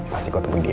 mas iko tunggu dia